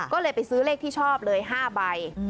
ก็เลยไปซื้อเลขที่ชอบเลย๕ใบ